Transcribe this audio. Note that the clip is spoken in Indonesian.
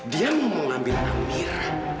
dia mau mengambil amira